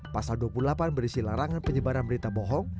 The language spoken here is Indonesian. pasal dua puluh delapan berisi larangan penyebaran berita bohong